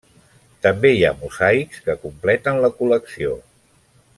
També hi ha mosaics que completen la col·lecció.